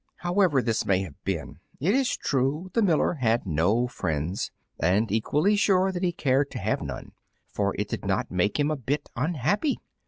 However this may have been, it is true the miller had no friends, and equally sure that he cared to have none, for it did not make him a bit unhappy.